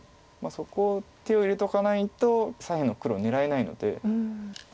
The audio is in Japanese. そこ手を入れておかないと左辺の黒狙えないので。